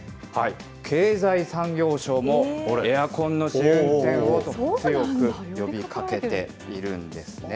経済産業省もエアコンの試運転をと、強く呼びかけているんですね。